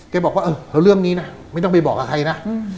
บอกว่าเออแล้วเรื่องนี้นะไม่ต้องไปบอกกับใครนะ